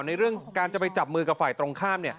เรื่องการจะไปจับมือกับฝ่ายตรงข้าม